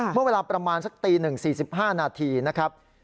เมื่อเวลาประมาณสักตี๑๔๕นาทีนะครับ